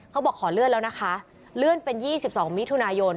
ขอเลื่อนแล้วนะคะเลื่อนเป็น๒๒มิถุนายน